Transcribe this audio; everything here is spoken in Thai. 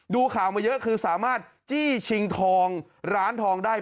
ดูข่าวมาเยอะคือสามารถจี้ชิงทองร้านทองได้